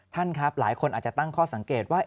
ท่านครับหลายคนอาจจะตั้งข้อสังเกตว่า